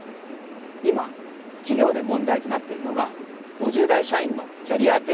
今企業で問題となっているのが５０代社員のキャリア停滞です。